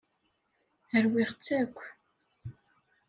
Rwiɣ-tt akk.